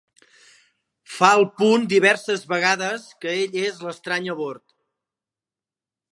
Fa el punt diverses vegades que ell és l'estrany a bord.